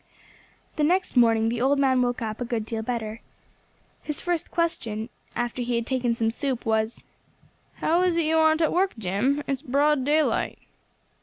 The next morning the old man woke up a good deal better. His first question, after he had taken some soup, was "How is it you aren't at work, Jim? It's broad daylight."